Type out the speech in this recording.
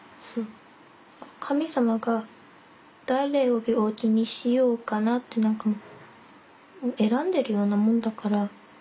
神さまが「だれを病気にしようかな」って選んでるようなもんだから。